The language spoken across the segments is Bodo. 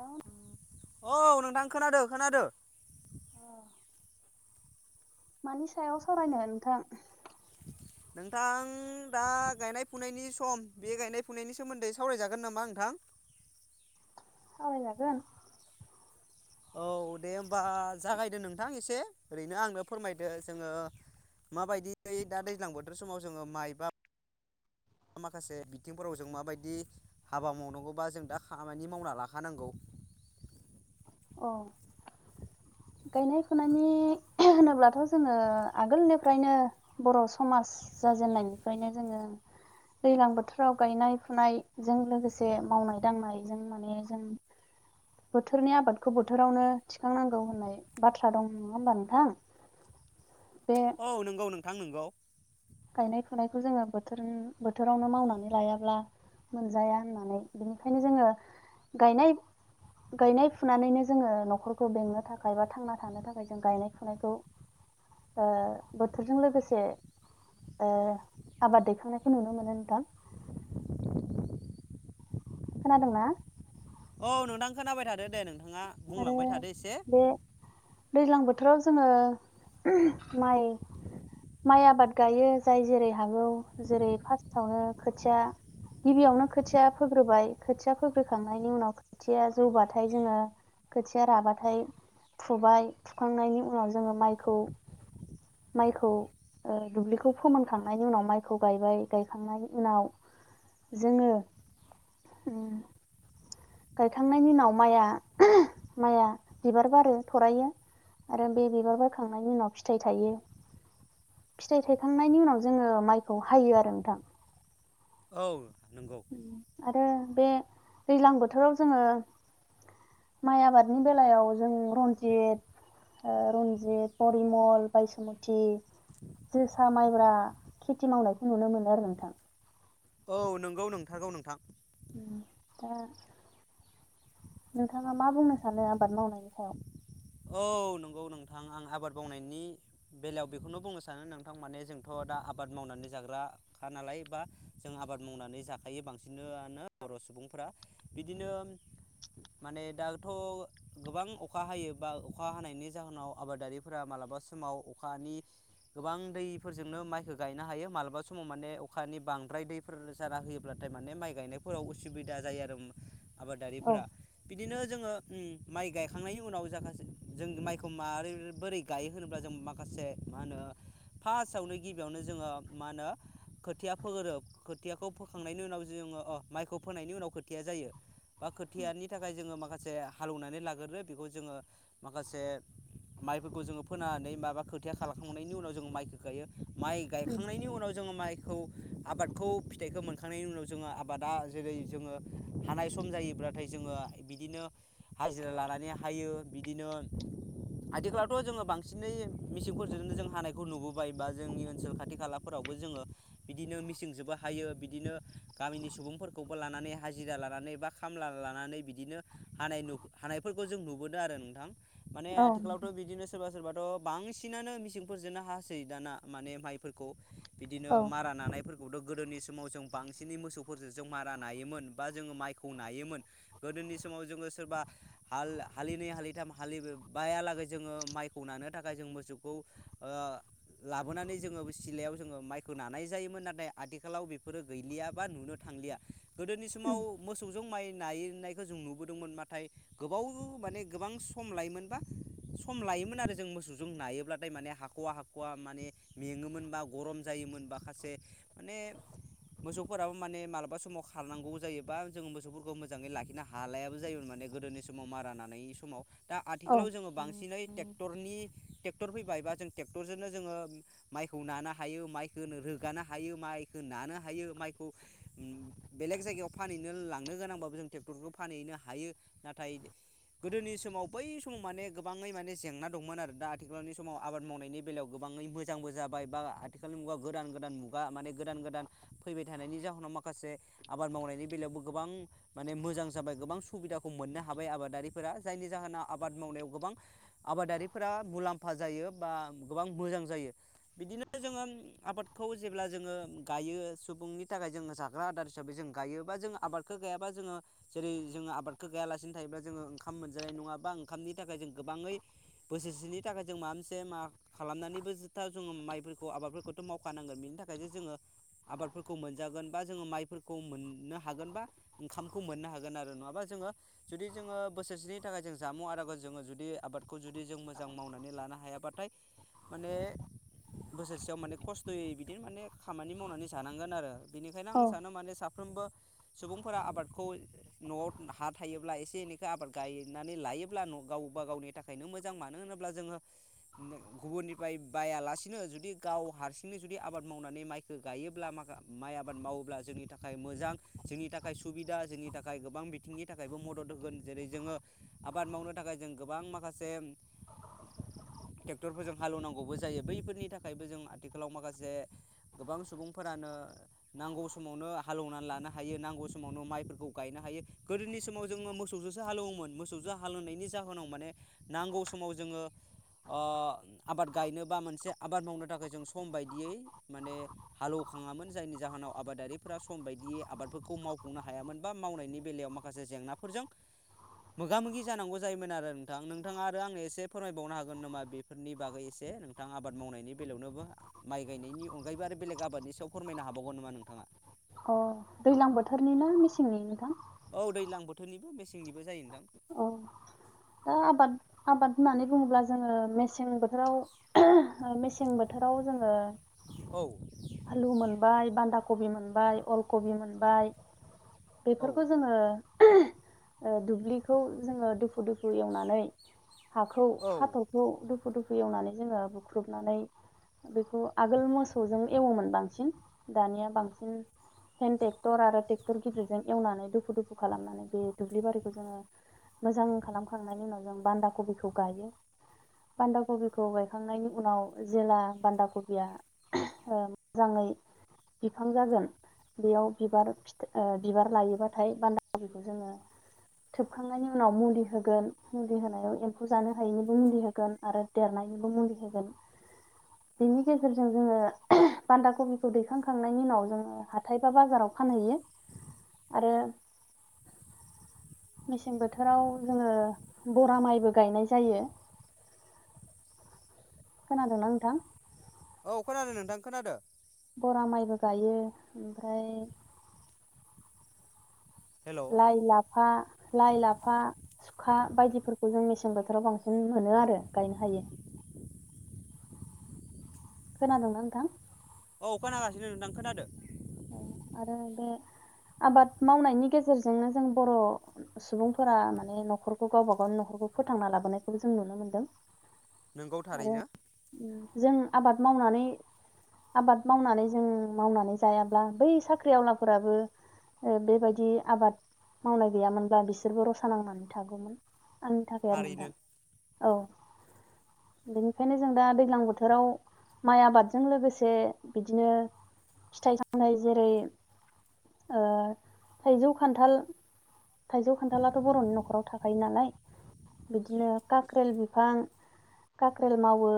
हेल' औ नोंथां खोनादों खोनादों। अ मानि सायाव सावरायनो नोंथां? नोंथां दा गायनाय-फुनायनि सम बे गायनाय-फुनायनि सोमोन्दै सावरायजागोन नामा नोंथां? [inaudible] [inaudible] सावरायजागोन। औ दे होमबा जागायदो नोंथां एसे ओरैनो आंनो फोरमायदो जोङो माबायदियै दा दैज्लां बोथोर समाव जोङो माइ बा माखासे बिथिंफोराव जों माबायदि हाबा मावनांगौ बा जों दा खामानि मावना लाखानांगौ। औ। गायनाय-फुनायनि होनोब्लाथ' जोंङो आगोलनिफ्रायनो बर' समाज जाजेननायनिफ्रायनो जोंङो दैलां बोथोराव गायनाय-फुनाय जों लोगोसे मावनाय- दांनायजों माने जों [inaudible] बोथोरनि आबादखौ बोथोरावनो थिखांनांगौ होननाय बाथ्रा दं नङा होमबा नोंथां? [inaudible] बे औ नंगौ नोंथां नंगौ। गायनाय फुनायखौ जोङो बोथोर बोथोरावनो मावनानै लायाब्ला मोनजाया होननानै बिनिखायनो जोङो गायनाय गायनाय फुनानैनो जोङो न'खरखौ बेंनो थाखाय बा थांना थानो थाखाय जों गायनाय फुनायखौ ओ बोथोरजों लोगोसे ओ आबाद दैखांनायखौ नुनो मोनो नोंथां खोनादोंना? औ नोंथां खोनाबाय थादो दे नोंथांङा आरो बुंलांबाय थादो एसे। बे दैज्लां बोथोराव जोङो माइ माइ आबाद गायो जाय जेरै हागौ जेरै फार्स्टआवनो खोथिया गिबियावनो खोथिया फोग्रोबाय खोथिया फोग्रोखांनायनि उनाव खोथिया जौबाथाय जोङो खोथिया राबाथाय फुबाय फुखांनायनि उनाव जोङो माइखौ माइखौ ओ दुब्लिखौ फोमोनखांनायनि उनाव माइखौ गायबाय गायखांनायनि उनाव जोङो ओम गायखांनायनि उनाव माइया माइया बिबार बारो थरायो आरो बे बिबार बखांनायनि उनाव फिथाइ थायो। फिथाइ थायखांनायनि उनाव जोङो माइखौ हायो आरो नोंथां। औ नंगौ ओम आरो बे दैज्लां बोथोराव जोङो माइ आबादनि बेलायाव जों रन्जित ओ रन्जित, परिमल बायसमुथि जोसा, माइब्रा खेथि मावनायखौ नुनो मोनो आरो नोंथां। औ नंगौ नोंथारगौ नोंथां। ओम दा नोंथाङा मा बुंनो सानो आबाद मावनायनि सायाव? औ नंगौ नोंथां आं आबाद मावनायनि बेलायाव बेखौनो बुंनो सानो नोंथां माने जोंथ' दा आबाद मावनानै जाग्राखानालाय बा जों आबाद मावनानै जाखायो बांसिनो आनो बर' सुबुंफ्रा बिदिनो माने दाथ' गोबां अखा हायो बा अखा हानायनि जाहोनाव आबादारिफोरा मालाबा समाव अखानि गोबां दैफोरजोंनो माइखौ गायनो हायो मालाबा समाव माने अखानि बांद्राय दैफोर जाना होयोब्लाथाय माने माइ गायनायफोराव उसु सुबिदा जायो आरो औ आबादारिफोरा बिदिनो जोङो ओम माइ गायखांनायनि उनाव जाखा जों माइखौ मारै बोरै गायो होनोब्ला जों माखासे मा होनो फार्स्टआवनो गिबियावनो जोङो मा होनो खोथिया फोगोरो खोथियाखौ फोखांनायनि उनाव जोङो अ माइखौ फोनायनि उनाव खोथिया जायो। बा खोथियानि थाखाय जोङो माखासे हालौवनानै लागोरो बेखौ जोङो माखासे माइफोरखौ जोङो फोनानै माबा खोथिया खालामखांनायनि उनाव जोङो माइखौ गायो। माइ उम गायखांनायनि उनाव जोङो माइ खौ आबादखौ फिथाइखौ मोनखांनायनि उनाव जोङो आबादा जेरै जोङो हानाय सम जायो बब्लाथाय जोङो बिदिनो हाजिरा लानानै हायो बिदिनो आथिखालावथ' जोङो बांसिनै मेसिंफोरजोंनो जों हानायखौ नुबोबाय बा जोंनि ओनसोल खाथि खालाफोराव जोङो बिदिनो मिथिंजोबबो हायो बिदिनो गामिनि सुबुंफोरखौबो लानानै हाजिरा लानानै नै बा खामब्लालानानै बिदिनो हानाय हानायफोरखौ जों नुबोदों आरो नोंथां माने औ नोंथां आथिखालावथ' बिदिनो सोरबा सोरबा थ बांसिनानो मिसिंफोरजोंनो हासोै दाना माने माइफोरखौ बिदिनो औ मारा नानायफोर [unintelligible] गोदोनि समाव जों बांसिनै मोसौफोरजों जों मारा नायोमोन बा जोङो माइखौ नायोमोन गोदो नि समाव जोङो सोरबा हाल हालिनै हालिथाम हालि बायालागै जोङो माइखौ नानो थाखाय जों मोसौखौ ओ लाबोनानै जों ङो सिलायाव जोङो माइखौ नानाय जायोमोन नाथाय आथिखालाव बेफोरो गैलिया बा नुनो थांलिया। गोदोनि समाव उम मोसौजों माइ नायनायखौ जों नुबोदोंमोन नाथाय गोबाव माने गोबां सम लायोमोनबा सम लायोमोन आरो जों मोसौजों नायोब्लाथाय माने हाख'वा हाख'वा माने मेङोमोनबा गरम जायो मोन माखासे माने मोसौफोराबो माने मालाबा समाव खारनांगौ जायोबा जों मोसौफोरखौ मोजाङै लाखिनो हालायाबो जायोमोन माने। गोदोनि समाव मारा लानायनि समाव दा औ आथिखालाव जोङो बांसिनै टेक्टरनि ट्रेक्टर फैबायबा जों ट्रेक्टरजोंनो जोङो माइखौ नानो हायो माइखौ रोगानो हायो माइखौ नानो हायो माइखौ बेलेग जायगायाव फानहैनो लांनो गोनांबा‌ खौबो जों टेक्टरजों फानहैनो हायो नाथाइ गोदोनि स समाव बै समाव माने गोबाङै माने जेंना दंमोन आरो दा आथिखालावनि समाव आबाद मावनायनि बेलायाव गोबाङै मोजांबो बो जाबाय बा आथिखालनि मुगा गोदान गोदान मुगा माने गोदान गोदान फैबाय थानायनि जाहोनाव माखासे आबाद मावनायनि बेलायावबो गोबां माने मोजां जाबाय गोबां सुबिदाखौ मोननो हाबाय आबादारिफोरा। जायनि जाहोनाव आबाद मावनायाव गोबां आबादारिफोरा मुलाम्फा जायो बा गोबां मोजां जायो। बिदिनो जोङो आबादखौ जेब्ला जोङो गायो सुबुंनि थाखाय जोङो जाग्रा आदार हिसाबै जों गायोबा जों आबादखौ गायाबा जोङो जेरै जोङो आबदखौ गायालासिनो थायोब्ला जोङो खाम मोनजानाय नङाबा ओंखामनि थाखाय जों गोबाङै बोसोरसेनि थाखाय जों माबा मोनसे मा खालामनानै बो जथा जोङो माइफोरखौ आबादफोरखौथ' मावखानांगोन बेनि थाखायसो जोङो आबादफोरखौ मोनजागोन बा जोङो माइफोरखौ मोननो हागोन बा ओंखामखौ मोननो हागोन आरो नङाबा जो जोङो जुदि जोङो बोसोरसेनि थाखाय जों जामुं आदारखौ जोङो जुदि आबादखौ जुदि जों मोजां मावनानै लानो हायाबाथाय माने बोसोरसेयाव माने खस्थ'यै बिदिनो माने खामानि मावनानै जानांगोन आरो। बिनिखायनो आं औ सानो माने साफ फ्रोमबो सुबुंफोरा आबादखौ न'आव हा थायोब्ला एसे एनै खो आबाद गायनानै लायोब्ला गावबा गावनि थाखायनो मोजां मानो होनोब्ला जोङो गुबुन फोरनिफ्राय बायालासिनो जुदि गाव हारसिंनो जुदि आबाद मावनानै माइखौ गायोब्ला माखा माइ आबाद माव मावोब्ला जोंनि थाखाय मोजां जोंनि थाखाय सुबिदा जोंनि थाखाय गोबां बिथिंनि थाखायबो मदद होगोन जेरै जोङो आबाद मावनो थाखाय जों गोबां माखासे [inaudible] ट्रेक्टरफोरजों हालेवनांगौबो जायो बैफोरनि थाखायबो जों आथिखालाव माखासे गोबां सुबुंफोरानो नांगौ समावनो हालौवनानै लानो हायो नांगौ समावनो माइफोरखौ गायनो हायो गोदोनि समाव जो मोस सौजोंसो हालौवोमोन मोसौजों हालेवनायनि जाहोनाव माने नांगौ समाव जोङो ओ आबाद गायनो बा मोनसे आबाद मावनो थाखाय जों सम बायदियै माने हालौवखा खाङामोन जायनि जाहोनाव आबादारिफोरा सम बायदियै आबादफोरखौ मावफुंनो हायामोन बा मावनायनि बेलायाव माखासे जेंनाफोरजों [inaudible] मोगा मोगि जानांगौ जायोमोन आरो नोंथां नोंथाङा आरो आं एसे फोरमायबावनो हागोन नामा बेफोरनि बागै एसे नोंथाङा आबाद मावनायनि बेलायावनोबो माइ गायनायनि अनगायबो आरो बेलेग आबादनि सायाव फोरमायनो हाबावगौन नामा नोंथाङा? अ दैज्लां बोथोरनि ना मेसिंनि नोंथां? औ दैज्लां बोथोरनिबो मेसेंनिबो जायो नोंथां। औ दा आबाद आबाद होननानै बुङोब्ला जोङो मेसें बो थोराव मेसें बोथोराव जोङो औ आलु मोनबाय बान्दा कबि मोनबाय अल कबि मोनबाय औ बेफोरखौ जोङो दुब्लिखौ जोङो दोफु दोफु एवनानै हाखौ औ हाथरखौ दुफु दुफु एवनानै जोङो बुख्रुबनानै बेखौ आगोल मोसौजों एवोमोन बांसिन दानिया बांसिन हेन्द ट्रेक्टर आरो ट्रेक्टर गिदिरजों एवनानै दुफु दुफु खालामनानै बे दुब्लि बारिखौ जोङो मोजां खालामखांनायनि उनाव जों बान्दा कबिखौ गायो। बान्दा कबिखौ गायखांनायनि उनाव जेला बान्दा कबिया मोजाङै बिफां जागोन- बेयाव बिबार फिथ ओ बिबार लायोबाथाय बान्दा बेखौ जोङो थोबखांनायनि उनाव मुलि हो गोन मुलि होनायाव एम्फौ जानो हायैनिबो मुलि होगोन आरो देरनायनिबो मुलि होगोन। बेनि गेजेरजों जोङो बान्दा कबिखौ दैखांखांनायनि उनाव जोङो हाथाय बा बाजाराव फानहैयो आरो मेसें बोथोराव जोङो बरा माइबो गायनाय जायो। खोनादोंना नोंथां? औ खोनादों नोंथां खोनादों। बरा माइबो गायो ओमफ्राय हेलौ लाइ-लाफा लाइ-लाफा बायदिफोरखौ जों मेसें बोथोराव बांसिन मोनो आरो गायनो हायो। खोनादोंना नोंथां? खोनागासिनोदां खोनादों। उम‌ आरो बे आबाद मावनायनि गेजेरजोंनो जों बर' सुबुंफोरा माने नख'रखौ गावबा गावनि नख'र फोथांना लाबोनायखौबो जों नुनो मोनदों। नोंगौ थारैनो। जों आबाद मावनानै आबाद मावनानै जों मावनानै। जायाब्ला बै साख्रि आवलाफोराबो ओ बेबायदि आबाद मावनाय गैयामोनब्ला बिसोरबो रसा नांनानै थागौमोन। आंनि थाखाय आरो थारैनो नोंथां औ। बेनिखायनो जों दा दैज्लां बोथोराव माइ आबादजों लोगोसे बिदिनो फिथाइ सामथाय जेरै ओ थाइजौ खान्थाल थाइजौ खान्थालाथ' बर'नि नख'राव थाखायो नालाय। बिदिनो काक्रेल बिफां काक्रेल मावो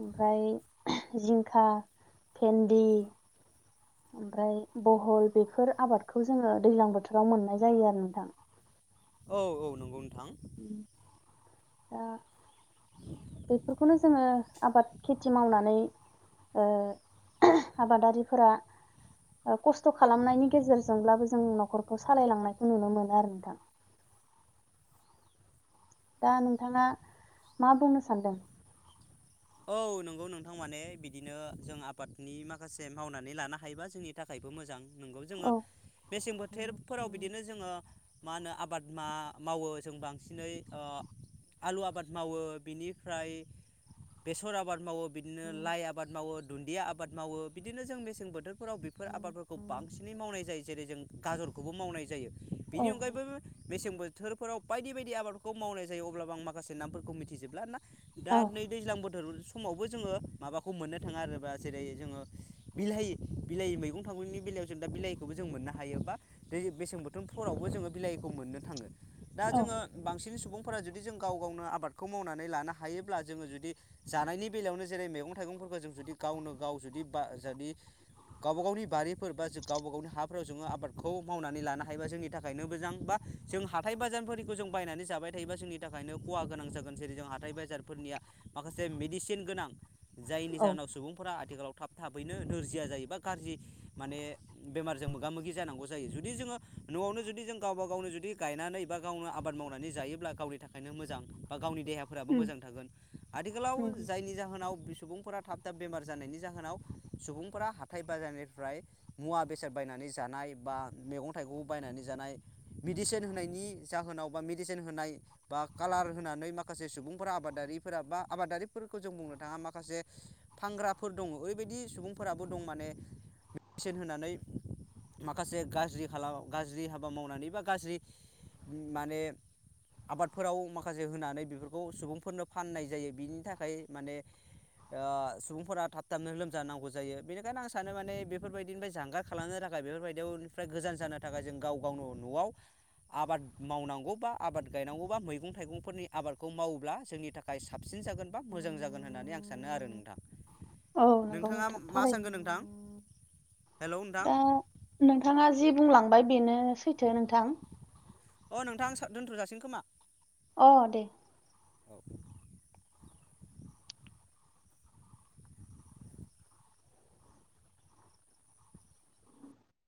ओमफ्राय जिंखा भेन्दि ओमफ्राय बहल बेफोर आबादखौ जोङो दैलां बोथोराव मोननाय जायो आरो नोंथां। औ औ नंगौ नोंथां। उम दा बेफोरखौनो जोङो आबाद खेथि मावनानै ओ आबादारिफोरा ओ कस्थ' खालामनायनि गेजेरजोंब्लाबो जों नख'रखौ सालायलांनायखौ नुनो मोनो आरो नोंथां। दा नोंथाङा मा बुंनो सानदों। औ नंगौ नोंथां माने बिदिनो जों आबादनि माखासे मावनानै लानो हायोबा जोंनि थाखाय मोजां नोंगौ जोङो औ मेसें बो थेरफोराव बिदिनो जोङो मा होनो आबादा मा मावो जों बांसिनै ओ। आलु आबाद मावो बिनिफ्राय बेसर आबाद मावो बिदिनो लाइ आबाद मावो दुन्दिया आबाद मावो बिदिनो जों मेसें बोथोरफोराव बे फोर आबादफोरखौ बांसिनै मावनाय जायो जेरै जों गाजरखौबो मावनाय जायो। औ बेनि अनगायैबो मेसें बो थोर फोराव बायदि बायदि आबादफोरखौ मावनाय जायो अब्लाबो आं माखासे नामफोरखौ मिथिजोबला ना दा औ नै दैज्लां समावबो जोङो माबाखौ मोननो थाङा आरोबा जेरै जोङो बिलाहि बिलाहि मैगं था यगंनि बेलायाव जों दा बिलाहिखौबो जों मोननो हायो बा दै बेसें बोथोनफोरावबो जोङो बिलाहिखौ मोननो थाङो। दा औ जोङो बांसिन सुबुंफोरा जुदि जों गाव गावनो आबादखौ मावनानै लानो हायोब्ला जोङो जु दि जानायनि बेलायावनो जेरै मैगं थाइगंफोरखौ जों जुदि गावनो गाव जुदि बा जुदि गावबा गावनि बारिफोर बा गावबा गावनि हाफोराव जोङो आबादखौ मावनानै लानो हायोबा जोंनि थाखायनो मोजां बा जों हाथाय बाजारफोरनिखौ जों बायनानै जाबाय थायोबा जोंनि थाखायनो खहा गोनां जागोन जेरै जों हाथाइ बाजारफोरनिया माखासे मेडिसिन गोनां जायनि औ जाहोनाव सुबुंफोरा आथिखालाव थाब थाबैनो नोरजिया जायोबा गाज्रि माने बेमारजों मोगा मोगि जानांगौ जायो जुदि जोङो न'आवनो जुदि जों गावबा गावनो जुदि गायनानै बा गावनो आबाद मावनानै जायोब्ला गावनि थाखायनो मोजां बा गावनि देहाफोराबो मोजां थागोन आथिखालाव नंगौ जायनि जाहोनाव थाव सुबुंफोरा थाब थाब बेमार जानायनि जाहोनाव सुबुंफोरा हाथाय बाजारनिफ्राय मुवा बेसाद बायनानै जानाय बा मैं थाइगं बायनानै जानाय मिदिसिन होनायनि जाहोनाव बा मिदिसिन सेन होनय बा कालार होनानै माखासे सुबुंफोरा आबारि फोरा बा आबादारिफोरखौ जों बुंनो थाङा माखासे फानग्राफोर दङ ओरैबायदि सुबुंफोराबो दं माने [inaudible] सेन होनानै माखासे गाज्रि खालाम गाज्रि हाबा मावनानै बा गाज्रि माने आबादफोराव माखासे होनानै बेफोरखौ सुबुंफोरनो फाननाय जायो बिनि थाखाय माने ओ सुबुंफोरा थाब थाबनो लोमजानांगौ जायो। बेनिखायनो आं सानो माने बेफोरबायदिनिफ्राय जानगार खालामनो था थाखाय बेफोरबायदियावनिफ्राय गोजान जानो थाखाय जों गाव गावनो न'आव आबाद मावनांगौ बा आबाद गायनांगौ बा मैगं थाइगंफोरनि आबादखौ मावोब्ला जोंनि थाखाय ताकात साबसिन जागोन बा मोजां जागोन होननानै आं सानो आरो नोंथां। औ नंगौ नोंथाङा नोंथां मा थारैनो सानगोन नोंथां। हेलौ नोंथां दा नोंथाङा जि बुंलांबाय बेनो सैथो नोंथां। अ' नोंथां साब दोनथ'जासिगोन खोमा अ' दे औ